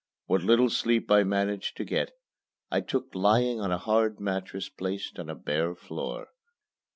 What little sleep I managed to get I took lying on a hard mattress placed on the bare floor.